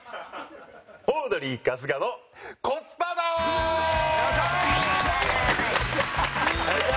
『オードリー春日のコスパ道』！よいしょ！